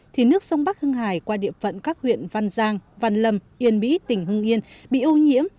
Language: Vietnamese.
thì nước sông bắc hương hải qua điệp vận các huyện văn giang văn lâm yên mỹ tỉnh hương yên bị ô nhiễm